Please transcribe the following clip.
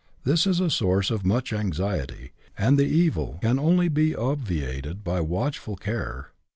This is a source of much anxiety, and the evil can only be obviated by watchful care.